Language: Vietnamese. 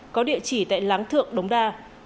có địa chỉ tại láng thượng đống đa